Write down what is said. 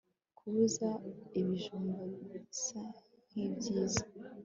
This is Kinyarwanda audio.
Kubuza ibijumba bisa nkibyiza